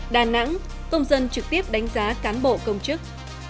đà nẵng công dân trực tiếp đánh giá cán bộ công chức